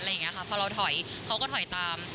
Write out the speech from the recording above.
พอเราถอยเขาก็ถอยตาม